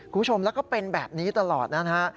คุณผู้ชมแล้วก็เป็นแบบนี้ตลอดนะฮะ